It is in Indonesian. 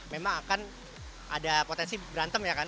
memang akan ada potensi berantem ya kan